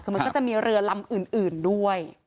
คือมันก็จะมีเรือลำอื่นด้วย